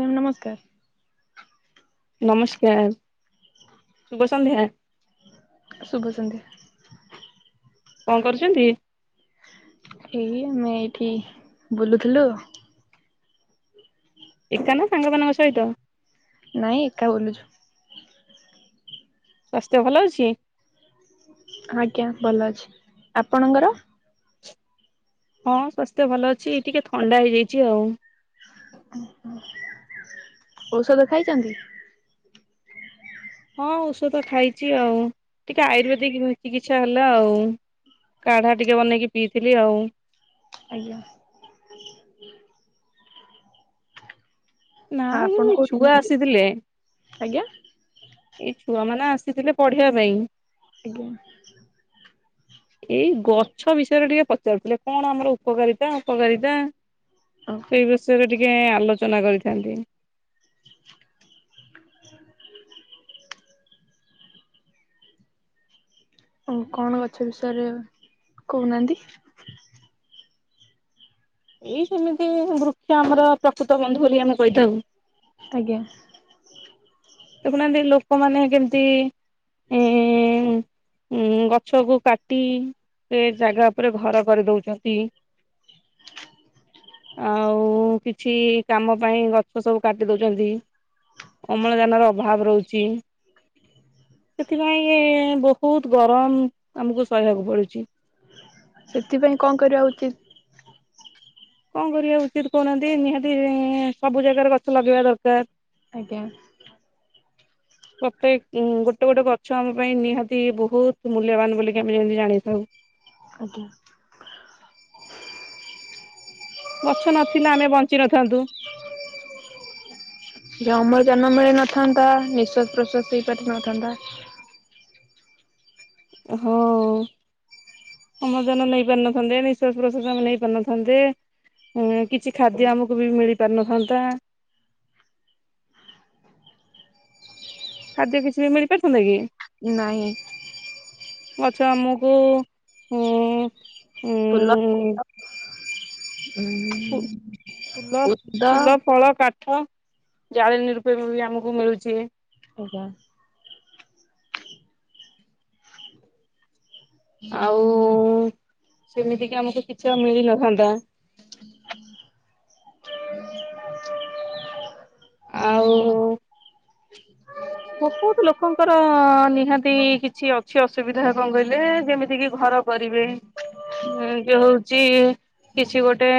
Ma'am ନମସ୍କାର। ନମସ୍କାର ସୁୁଭ ସନ୍ଧ୍ୟା। ଶୁଭ ସନ୍ଧ୍ୟା। କଣ କରୁଛନ୍ତି ଏଇ ଆମେ ଏଇଠି ବୁଲୁଥିଲୁ। ଏକା ନା ସାଙ୍ଗମାନାନଙ୍କ ସହିତ? ନାଇଁ ଏକା ବୁଲୁଛୁ। ସ୍ୱାସ୍ଥ୍ୟ ଭଲ ଅଛି। ଆଜ୍ଞା ଭଲ ଅଛି ଆପଣଙ୍କର? ହଁ ସ୍ୱାସ୍ଥ୍ୟ ଭଲ ଅଛି ଟିକେ ଥଣ୍ଡା ହେଇଯାଇଛି ଆଉ। ଓ ଔଷଧ ଖାଇଚନ୍ତି? ହଁ ଔଷଧ ଖାଇଚି ଆଉ ଟିକେ ଆୟୁର୍ବେଦିକ ଚିକିତ୍ସା ହେଲା ଆଉ। କାଢା ଟିକେ ବନେଇକି ପିଇଥିଲି ଆଉ। ଆଜ୍ଞା। ନା ଆ ଆପଣ କୋଉଠି ଛୁଆ ଅଛନ୍ତି? ଆସିଥିଲେ ଆଜ୍ଞା ଏ ଛୁଆମାନେ ଆସିଥିଲେ ପଢିବା ପାଇଁ। ଆଜ୍ଞା। ଏଇ ଗଛ ବିଷୟରେ ଟିକେ ପଚାରୁଥିଲେ କଣ ଆମର ଉପକାରିତା ଅପକାରିତା। ଓହୋ ସେଇ ବିଷୟରେ ଟିକେ ଆଲୋଚନା କରିଥାନ୍ତି। [inaudible] ଆ କଣ ଗଛ ବିଷୟରେ କହୁନାହାନ୍ତି। ଏଇ ସେମିତି ବୃକ୍ଷ ଆମର ପ୍ରକୃତ ବନ୍ଧୁ ବୋଲି ଆମେ କହିଥାଉ। ଆଜ୍ଞା। ଦେଖୁନାହାନ୍ତି ଲୋକମାନେ କେମିତି ଇଁ ଉଁ ଗଛକୁ କାଟି ସେ ଜାଗା ଉପରେ ଘର କରିଦଉଛନ୍ତି। ଆଉ କିଛି କାମ ପାଇଁ ଗଛ ସବୁ କାଟି ଦଉଚନ୍ତି। ଅମଳ ଜାନର ଅଭାବ ରହୁଛି ସେଥିପାଇଁ ବହୁତ ଗରମ ଆମକୁ ସହିବାକୁ ପଡୁଚି। ସେଥିପାଇଁ କଣ କରିବା ଉଚିତ? କଣ କରିବା ଉଚିତ କହୁନାହାନ୍ତି ନିହାତି ସବୁ ଜାଗାରେ ଗଛ ଲଗେଇବା ଦରକାର। ଆଜ୍ଞା। ପ୍ରତେକ ଗୋଟେ ଗୋଟେ ଗଛ ଆମ ପାଇଁ ନିହାତି ବହୁତ ମୂଲ୍ୟବାନ ବୋଲିକି ଆମେ ଯେମତି ଜାଣିଥାଉ। ଆଜ୍ଞା। ଗଛ ନଥିଲା ଆମେ ବଞ୍ଚିନଥାନ୍ତୁ। ଜାନ ମିଳି ନଥାନ୍ତା ନିଶ୍ୱାସ ପ୍ରଶ୍ଵାସ ହେଇପାରି ନଥାନ୍ତା। ହଉ ଅମ୍ଳଜାନ ନେଇ ପାରିନଥାନ୍ତେ ନିଃଶ୍ୱାସ ପ୍ରଶ୍ୱାସ ଆମେ ନେଇ ପାରୁନଥାନ୍ତେ। ହୁଁ କିଛି ଖାଦ୍ୟ ଆମକୁ ବି ମିଳି ପାରିନଥାନ୍ତା। ଖାଦ୍ୟ କିଛି ବି ମିଳି ପାରିଥାନ୍ତା କି? ନାହିଁ। ଆଛା ଆମୁକୁ ଉଁ। ଫୁଲ [inaudible] ଫୁ ଫୁଲ ଉଦ ଫୁଲ ଫଳ କାଠ ଜାଳେନୀ ରୂପେ ଵି‌ ଆମକୁ ମିଳୁଛି। ଓହୋ। ଆଉ ସେମିତି କି ଆମକୁ କିଛି ମିଳି ନଥାନ୍ତା। [inaudible] [inaudible] ଆଉ। ବହୁତ୍ ଲୋକଙ୍କର ନିହାତି କିଛି ଅଛି ଅସୁବିଧା କଣ କହି ଲେ ଯେମିତି କିି ଘର କରିବେ ଉଁ ଇଏ ହଉଚି କିଛି ଗୋଟେ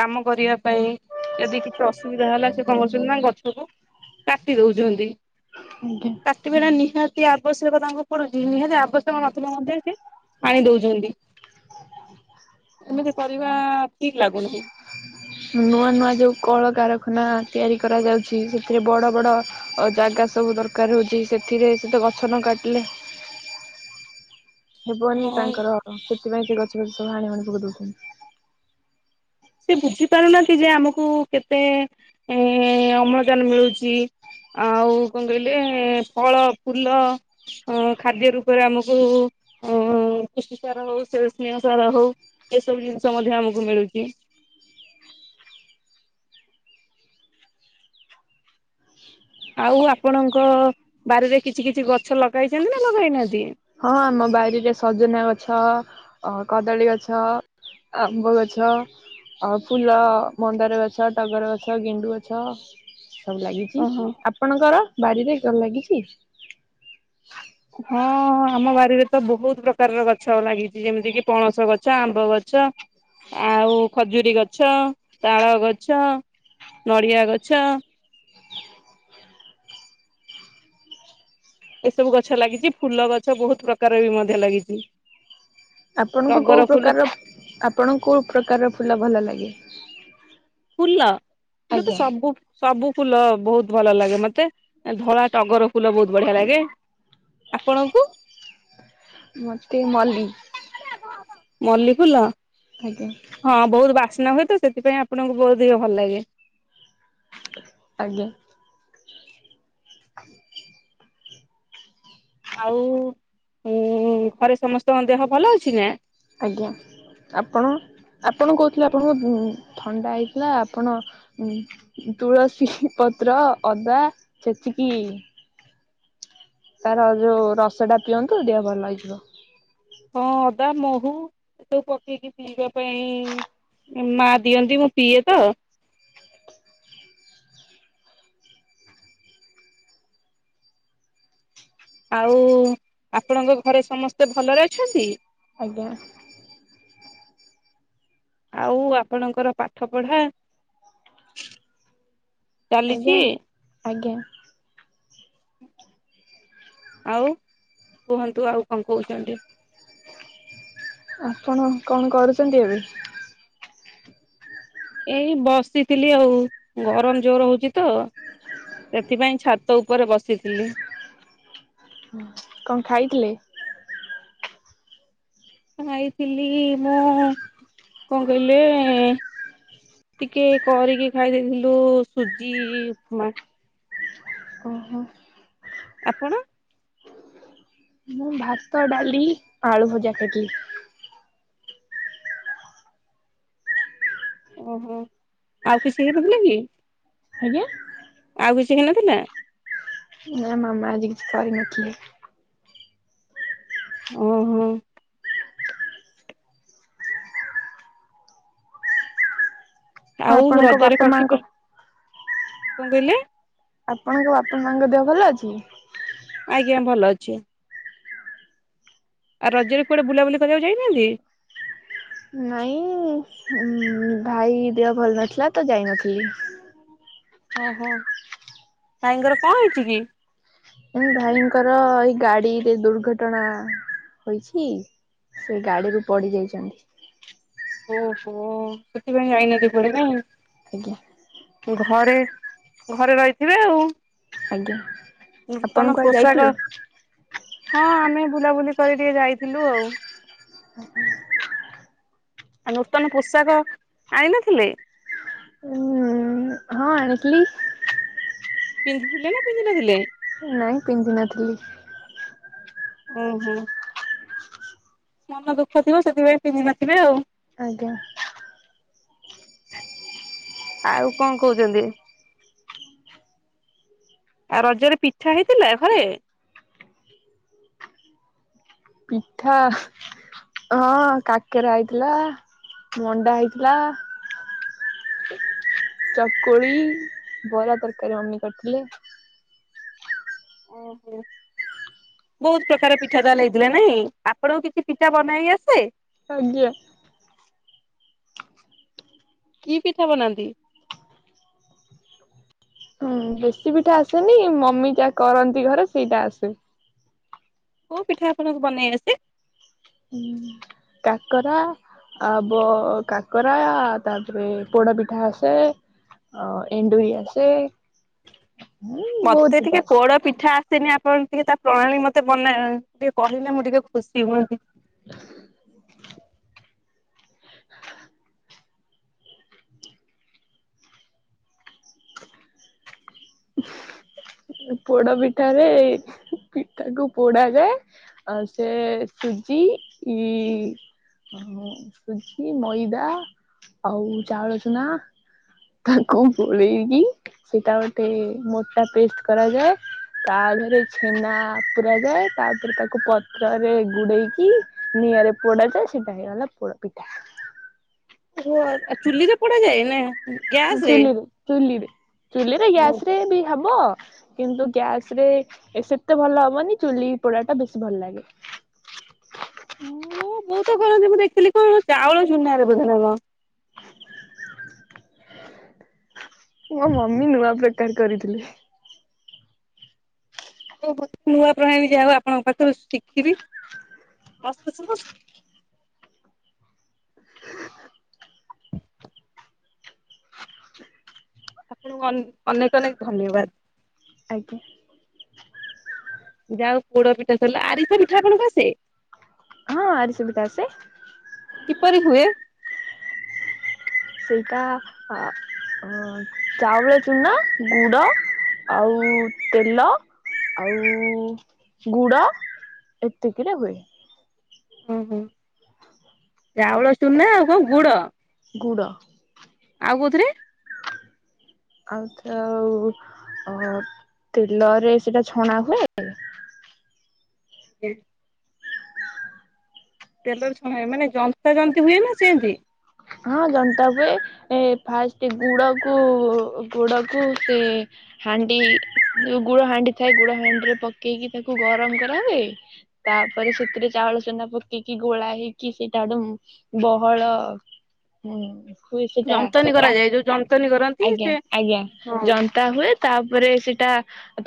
କାମ କରିବା ପାଇଁ ଯଦି କିଛି ଅସୁବିଧା ହେଲା ସେ କଣ କରୁଛନ୍ତି ନା ଗଛକୁ କାଟି ଦଉଛନ୍ତି। ଆଜ୍ଞା କାଟି ବାଟା ନିହାତ୍ ଆବଶ୍ୟକ ତାଙ୍କୁ ପଡୁଛି ନିହାତି ଆବଶ୍ୟକ ନଥିଲେ ମଧ୍ୟ ସେ ପାଣି ଦଉଚନ୍ତି। ଏମିତି କରିବା ଠିକ୍ ଲାଗୁନାହିଁ। ନୂଆ ନୂଆ ଯୋଉ କଳକାର ଖାନ ତିଆରି କରାଯାଉଛି ସେଥିରେ ବଡ଼ ବଡ଼ ଜାଗା ସବୁ ଦରକାର ହଉଛି ସେଥିରେ ସେତ ଗଛ ନ କାଟିଲେ ହେବନି ହଁ ତାଙ୍କର ସେଥିପାଇଁ ସେ ଗଛ ଫଛ ସବୁ ହାଣି ହୁଣି ପକେଇ ଦେଉଛନ୍ତି। ସେ ବୁଝି ପାରୁନାନ୍ତି ଯେ ଆମକୁ କେତେ ଏ ଅମ୍ଳଜାନ ମିଳୁଛି। ଆଉ କଣ କହିଲେ ଫଳ ଫୁଲ ଅ ଖାଦ୍ୟ ରୂପରେ ଆମକୁ ଅ କୃଷି ସାର ହଉ ସେ ସ୍ନେହ ସାର ହଉ ଏସବୁ ଜିନିଷ ମଧ୍ୟ ଆମକୁ ମିଳୁଛି। ଆଉ ଆପଣଙ୍କ ବାରିରେ କିଛି କିଛି ଗଛ ଲଗାଇଛନ୍ତି ନା ଲଗାଇନାହାନ୍ତି? ହଁ ଆମ ବାରିରେ ସଜନା ଗଛ ଅ କଦଳୀ ଗଛ ଆମ୍ବ ଗଛ। ଅ ଫୁଲ ମନ୍ଦାର ଗଛ ଟଗର ଗଛ ଗେଣ୍ଡୁ ଗଛ। ସବୁ ଲାଗିଚି ଓହୋ। ଆପଣଙ୍କର ବାରିରେ କଣ ଲାଗିଚି? ହଁ। ଆମ ବାରିରେ ତ ବହୁତ୍ ପ୍ରକାରର ଗଛ ଲାଗିଛି ଯେମିତି କିି ପଣସ ଗଛ ଆମ୍ବ ଗଛ ଆଉ ଖଜୁରୀ ଗ ଗଛ ତାଳ ଗଛ ନଡିଆ ଗଛ ଏ ସବୁ ଗଛ ଲାଗିଛି ଫୁଲ ଗଛ ବହୁତ୍ ପ୍ରକାର ବି ମଧ୍ୟ ଲାଗିଛି। ଆପଣଙ୍କୁ ଟଗର କୋଉ ଫୁଲ ପ୍ରକାର ଆପଣଙ୍କୁ କୋଉ ପ୍ରକାର ଫୁଲ ଭଲ ଲାଗେ? ଫୁଲ ଫୁଲ ତ ଆଜ୍ଞା ସବୁ ସବୁ ଫୁଲ ବହୁତ ଭଲ ଲାଗେ ମତେ ଧଳା ଟଗର ଫୁଲ ବହୁତ ବଢିଆ ଲାଗେ। ଆପଣଙ୍କୁ? ମତେ ମଲ୍ଲି। ମଲ୍ଲି ଫୁଲ ଆଜ୍ଞା ହଁ ବହୁତ୍ ବାସ୍ନା ହୁଏ ତ ସେଥିପାଇଁ ଆ ଆପଣଙ୍କୁ ବହୁତ୍ ଦିଗ ଭଲ ଲାଗେ। ଆଜ୍ଞା। [inaudible] ଆଉ ଉଁ ଘରେ ସମସ୍ତଙ୍କ ଦେହ ଭଲ ଅଛି ନାଁ? ଆଜ୍ଞା ଆପଣ? ଆପଣ କହୁଥିଲେ ଆପଣଙ୍କୁ ଥଣ୍ଡା ହେଇଥିଲା ଆପଣ ଉଁ ତୁଳସୀ ହିଁ ପ ପତ୍ର ଅଦା ଛେଚିକି ତାର ଯୋଉ ରସ ଟା ପିଅନ୍ତୁ ଦେହ ଭଲ ହେଇଯିବ। ହଁ ଅଦା ମହୁ ଏ ସବୁ ପକେଇକି ପିଇବା ପାଇଁ ମା ଦିଅନ୍ତି ମୁଁ ପିଏ ତ ଆଉ ଆପଣଙ୍କ ଘରେ ସମସ୍ତେ ଭଲରେ ଅଛନ୍ତି? ଆଜ୍ଞା। ଆଉ ଆପଣଙ୍କର ପାଠ ପଢା? ଚାଲିଛି ଆଜ୍ଞା ଆଜ୍ଞା। ହଁ। ଆଉ କୁହନ୍ତୁ ଆଉ କଣ କହୁଛନ୍ତି? ଆପଣ କଣ କରୁଛନ୍ତି ଏବେ? ଏଇ ବସିଥିଲି ଆଉ ଗରମ ଜୋର ହଉଛି ତ। ସେଥିପାଇଁ ଛାତ ଉପରେ ବସିଥିଲି। କଣ ଖାଇଥିଲେ? ଖାଇଥିଲି ମୁଁ କଣ କହିଲେ। ଟିକେ କରିକି ଖାଇ ଦେଇେଇଥିଲୁ ସୁଜି ଉପମା। ଓହୋ ଆପଣ? ମୁଁ ଭାତ ଡାଲି ଆଳୁ ଭଜା ଖାଇଥିଲି। ଓହୋ ଆଉ କିଛି ହେଇନଥିଲା କି? ଆଜ୍ଞା। ଆଉ କିଛି ହେଇନଥିଲା? ନା ମାମା ଆଜି କିଛି କରିନଥିଲେ। ଓ ହୋ। ଆଉ ଆପଣଙ୍କ ରଜରେ ବାପା କଣ ମାଙ୍କ ଖିପୂର କଣ କହିଲେ? ଆପଣଙ୍କ ବାପା ମାଙ୍କ ଦେହ ଭଲ ଅଛି? ଆଜ୍ଞା ଭଲ ଅଛି। ଆଉ ରଜରେ କୁଆଡେ ବୁଲାବୁଲି କରିବାକୁ ଯାଇନାହାନ୍ତି? ନାଇଁ ଭାଇ ଦେହ ଭଲ ନଥିଲା ତ ଯାଇନଥିଲି। ଓହୋ ଭାଇଙ୍କର କଣ ହେଇଛି କି? ଏ ଭାଇଙ୍କର ଏଇ ଗାଡିରେ ଦୁର୍ଘଟଣା ହୋଇଛି। ସେ ଗାଡିରୁୁ ପଡି ଯାଇଛନ୍ତି। ଓହୋ ସେଥିିପାଇଁ ଯାଇନହାନ୍ତି କୁଆଡେ ନାଇଁ। ଆଜ୍ଞା। ଘରେ ଘରେ ରହିଥିବେ ଆଉ। ଆଜ୍ଞା ଆପଣ ନୂତନ କୁଆଡେ ଯାଇଥିଲେ? ପୋଷାକ ହଁ ଆମେ ବୁଲାବୁଲି କରି ଟିକେ ଯାଇଥିଲୁ ଆଉ। ଆଉ ନୂତନ ପୋଷାକ ଆଣି ନଥିଲେ? ଉଁ ହଁ ଆଣିଥିଲି। ପିନ୍ଧିଥିଲେ ନା ପିନ୍ଧିନ ଥିଲେ? ନାଇଁ ପିନ୍ଧି ନଥିଲି। ଓ ହୋ। ମନ ଦୁଃଖ ଥିବ ସେଥିପାଇଁ ପିନ୍ଧି ନଥିବେ ଆଉ। ଆଜ୍ଞା। ଆଉ କଣ କହୁଛନ୍ତି? ଆଉ ରଜରେ ପିଠା ହେଇଥିଲା ଘରେ? ପିଠା। ହଁ କାକେରା ହେଇଥିଲା ମଣ୍ଡା ହେଇଥିଲା। ଚକୁଳି ବରା ତରକାରୀ ଅମି କରିଥିଲେ। ଓହୋ। ବହୁତ ପ୍ରକାର ପିଠା ତାହେଲେ ହେଇଥିଲା ନାହିଁ ଆପଣଙ୍କୁ କିଛି ପିଠା ବନେଇ ଆସେ? ଆଜ୍ଞା। କି ପିଠା ବନାନ୍ତି? ହଁ ବେଶୀ ପିଠା ଆସେନି ମମି ଯାହା କରନ୍ତି ଘରେ ସେଇଟା ଆସେ। କୋଉ ପିଠା ଆପଣଙ୍କୁ ବନେଇ ଆସେ? କାକରା ଆ ବ କାକରା ତାପରେ ପୋଡ ପିଠା ଆସେ। ଅ ଏଣ୍ଡୁରି ଆସେ। ହୁଁ ବହୁତ ମତେ ପିଠା ଟିକେ ଆସେ। ପୋଡ ପିଠା [unintelligible] ଆପଣ ଟିକେ ତା ପ୍ରଣାଳୀ ମତେ ଟିକେ କହିଲେ ମୁଁ ଟିକେ ଖୁସି ହୁଅନ୍ତି। [inaudible] ପୋଡ ପିଠାରେ ପିଠା କୁ ପୋଡା ଯାଏ। ଆଉ ସେ ସୁଜି ଇ ସୁଜି, ମଇଦା ଆଉ ଚାଉଳ ଚୁନା ତାକୁ ଗୋଳେଇକି ସେଇଟା ଗୋଟେ ମୋଟା ପେଷ୍ଟ କରାଯାଏ। ତା ଦେହେରେ ଛେନା ପୁରା ଯାଏ। ତାପରେ ତାକୁ ପତ୍ରରେ ଗୁଡେଇକି ନିଆଁ ରେ ପୋଡା ଯାଏ ସେଇଟା ହେଇଗଲା ପୋଡ ପିଠା। ଓ ହୋ ଚୁଲିରେ ପୋଡା ଯାଏ ନା ଗ୍ୟାସ ରେ? ଚୁଲିରେ ଚୁଲିରେ ଚୁଲିରେ ଗ୍ୟାସ ରେ ବି ହବ। କିନ୍ତୁ ଗ୍ୟାସ ରେ ସେତେ ଭଲ ହବନି। ଚୁଲି ପୋଡା ଟା ବେଶୀ ଭଲ ଲାଗେ। [inaudible] [unintelligible] କରନ୍ତି ମୁଁ ଦେଖିଲି କଣ ଚାଉଳ ଚୁନା ରେ ବୋଧେ ନା କଣ? ମୋ ମମି ନୂଆ ପିଠା କରିଥିଲେ। ନୂଆ ପ୍ରଣାଳୀ ଯାହା ହଉ ଆପଣଙ୍କ ଶିଖିଲି। ମସ୍ତ। [unintelligible] ଆପଣଙ୍କୁ ଅନେକ ଅନେକ ଧନ୍ୟବାଦ। ଆଜ୍ଞା। ଯା ହଉ ପୋଡ ପିଠା ସାରିଲା। ଆରିସା ପିଠା ଆପଣଙ୍କୁ ଆସେ? ହଁ ଆରିସା ପିଠା ଆସେ। କିପରି ହୁଏ? ସେଇଟା ଅ ଚାଉଳ ଚୁନା ଗୁଡ ଆଉ ତେଲ ଆଉ ଗୁଡ ଏତିକି ରେ ହୁଏ। ଉଁ ହୁଁ। ଚାଉଳ ଚୁନା ଆଉ କଣ ଗୁଡ? ଗୁଡ଼। ଆଉ କୋଉଥିରେ? ଆଉ ଏଥିରେ ଆଉ ତେଲରେ ସେଇଟା ଛଣା ହୁଏ। [inaudible] ତେଲର ଛଣା ହୁ। ମାନେ ଜନ୍ତା ଜନ୍ତୀ ହୁଏ ନା ସେମିତି? ହଁ ଜନ୍ତା ହୁଏ। ଏ ଫାଷ୍ଟ ଗୁଡ କୁ ଗୁଡ କୁ ସେ ହାଣ୍ଡି ଯଉ ଗୁଡ ହାଣ୍ଡି ଥାଏ ଗୁଡ ହାଣ୍ଡି ରେ ପକେଇକି ତାକୁ ଗରମ କରାହୁଏ। ତାପରେ ସେଥିରେ ଚାଉଳ ଚୁନା ପକେଇକି ଗୋଳା ହେଇକି ସେଇଟା ଗୋଟେ ବହଳ ହୁଁ। ହୁଏ ସେଟା। ଜନ୍ତନୀ କରାଯାଏ ଯୋଉ ଜନ୍ତନୀ କରନ୍ତି ଆଜ୍ଞା ସେ ଆଜ୍ଞା ହଁ ଜନ୍ତା ହୁଏ ତା ପରେ ସେଟା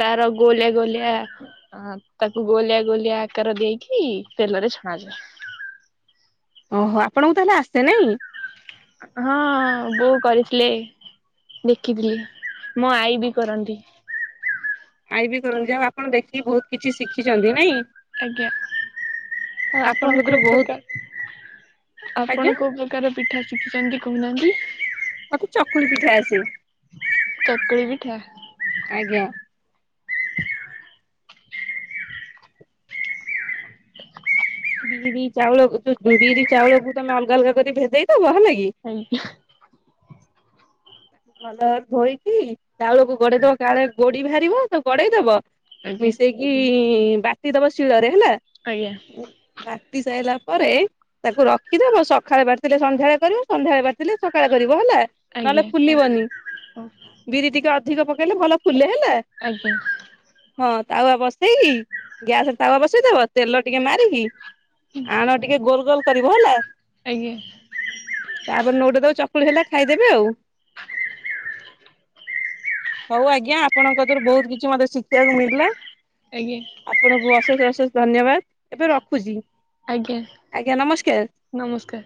ତାର ଗୋଲିଆ ଗୋଲିଆ ତାକୁ ଗୋଲିଆ ଗୋଲିଆ ଆକାର ଦେଇକି ତେଲରେ ଛଣାଯାଏ। ଓହୋ ଆପଣଙ୍କୁ ତାହଲେ ଆସେ ନାଇଁ? ହଁ ବୋଉ କରିିଥିଲେ। ଦେଖିଥିଲି। ମୋ ଆଈ ବି କରନ୍ତି। ଆଇ ବି କରନ୍ତି। ଯାହା ଆଉ ଆପଣ ଦେଖିକି ବହୁତ କିଛି ଶିଖିଛନ୍ତି ନାଇଁ? ଆଜ୍ଞା ଆଉ ଆପଣଙ୍କ ଆପଣ ଥିରୁ କୋଉ ବହୁତ ପ୍ରକା ଆଜ୍ଞା ଆପଣ କୋଉ ପ୍ରକାର ପିଠା ଶିଖିଛନ୍ତି କହୁନାହାନ୍ତି? ମତେ ଚକୁଳି ପିଠା ଆସେ। ଚକୁଳି ପିଠା। ଆଜ୍ଞା। ବିରି ଚାଉଳ ବିରି ଚାଉଳକୁ ତମେ ଅଲଗା ଅଲଗା କରି ଭେଜେଇଦବ ହେଲ କି? ଆଜ୍ଞା। ତାକୁ ଭଲ ଧୋଇକି ଚାଉଳକୁ ଗଡେଇ ଦବ କାଳେ ଗୋଡି ବାହାରିବ ତ ଗଡେଇ ଦବ ଆଜ୍ଞା ମିଶେଇକି ବାଟି ଦବ ଶିଳରେ ଆଜ୍ଞା ବାଟି ସାରିଲା ପରେ ତାକୁ ରଖିଦବ ସ ସକାଳେ ବାଟଥିଲେ ସନ୍ଧ୍ୟାଳେ କରିବ ସନ୍ଧ୍ୟାବେଳେ, ବାଟଥିଲେ ସକାଳେ କରିବ ହେଲା। ନହେଲେ ଆଜ୍ଞା। ବିରି ଟେ ଅଧିକ ପକେଇଲେ ଭଲ ଫୁଲେ ଆଜ୍ଞା। ଟାୱା ବସେଇକି ଗ୍ୟାସରେ ତାୱା ବସେଇଦବ ତେଲ ଟିକେ ମାରିକି ଆଣ ଟିକେ ଗୋଲ ଗୋଲ କରିବ ହେଲା ଆଜ୍ଞା ତାପରେ ନଉଟା ଦଉ ଚକୁଳି ହେଲା ଖାଇଦେବେ ଆଉ। ହଉ ଆଜ୍ଞା ଆପଣଙ୍କ ରୁ ବହୁତ କିଛି ମତେ ଶିଖିବାକୁ ମିଳିଲା ଆଜ୍ଞା ଆପଣଙ୍କୁ ଅଶେଷ ଅଶେଷ ଧନ୍ୟବାଦ ଏବେ ରଖୁଛି। ଆଜ୍ଞା ଆଜ୍ଞା ନମସ୍କାର। ନମସ୍କାର।